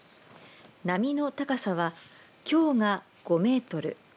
波の高さはきょうが５メートル